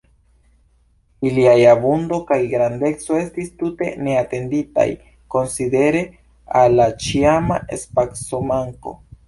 Ilia abundo kaj grandeco estis tute neatenditaj, konsidere al la ĉiama spacomanko.